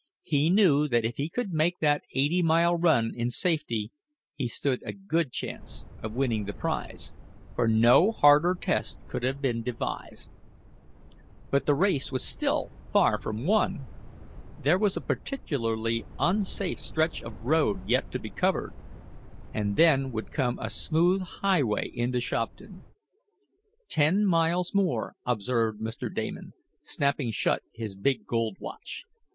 He knew that if he could make that eighty mile run in safety he stood a good chance of winning the prize, for no harder test could have been devised. But the race was still far from won. There was a particularly unsafe stretch of road yet to be covered, and then would come a smooth highway into Shopton. "Ten miles more," observed Mr. Damon, snapping shut his big gold watch.